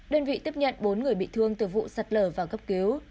đơn vị tiếp nhận bốn người bị thương từ vụ sạt lở vào cấp cứu